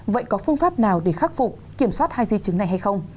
vậy có phương pháp nào để khắc phục kiểm soát hai di chứng này hay không